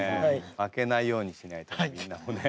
負けないようにしないとみんなもね。